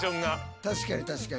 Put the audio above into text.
確かに確かに。